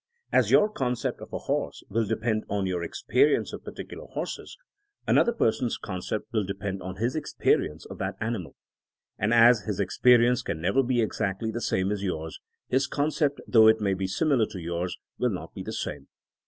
As your concept of a horse will depend on your experience of particular horses, another person's concept will depend on his experience of that animal. And as his experience can never be exactly the same as yours, his concept, though it may be similar to yours, will not be the same.